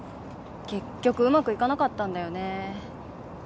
結局うまくいかなかったんだよね。